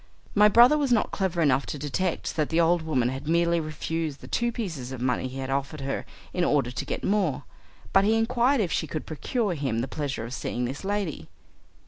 My brother was not clever enough to detect that the old woman had merely refused the two pieces of money he had offered her in order to get more, but he inquired if she could procure him the pleasure of seeing this lady.